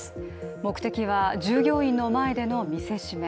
目的は、従業員の前での見せしめ。